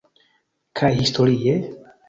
Kaj historie?